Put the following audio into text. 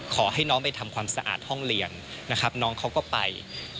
ขอให้น้องไปทำความสะอาดห้องเรียนนะครับน้องเขาก็ไป